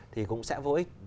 thì cũng sẽ vô ích